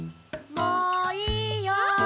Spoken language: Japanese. ・もういいよ。